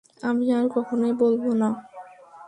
আমি আর কখনোই বলবো না।